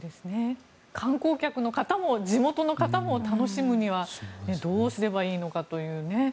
観光客の方も地元の方も楽しむにはどうすればいいのかという。